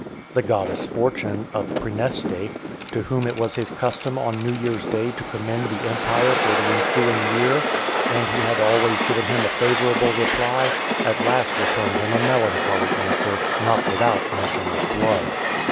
The goddess Fortune of Praeneste, to whom it was his custom on new year's day to commend the empire for the ensuing year, and who had always given him a favourable reply, at last returned him a melancholy answer, not without mention of blood.